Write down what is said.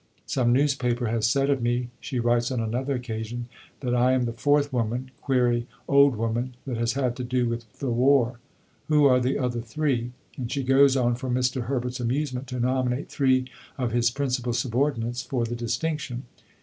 "Some newspaper has said of me," she writes on another occasion, "that I am the fourth woman (query, Old Woman) that has had to do with the war. Who are the other three?" And she goes on for Mr. Herbert's amusement to nominate three of his principal subordinates for the distinction.